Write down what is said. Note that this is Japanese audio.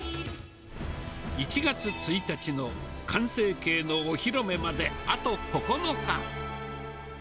１月１日の完成形のお披露目まであと９日。